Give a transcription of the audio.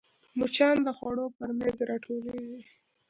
مچان د خوړو پر میز راټولېږي